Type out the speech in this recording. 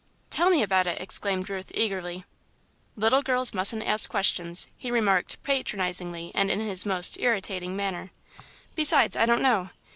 "Tell me about it!" exclaimed Ruth, eagerly. "Little girls mustn't ask questions," he remarked, patronisingly, and in his most irritating manner. "Besides, I don't know.